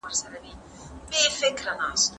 د خدای اراده هیڅوک نسي بدلولی.